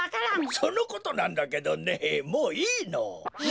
そのことなんだけどねもういいの。え？